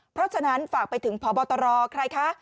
เพราะฉะนั้นฝากไปถึงพบตรใครคะ